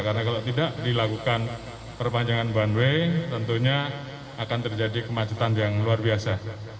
karena kalau tidak dilakukan perpanjangan one way tentunya akan terjadi kemacetan yang luar biasa